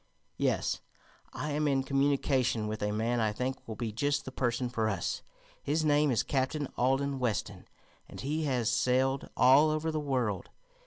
"Yes; I am in communication with a man I think will be just the person for us. His name is Captain Alden Weston, and he has sailed all over the world.